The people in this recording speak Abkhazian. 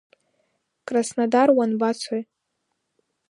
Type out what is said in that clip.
Краснодар уанбацои?